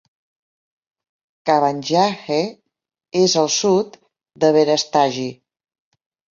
Kabanjahe és al sud de Berastagi.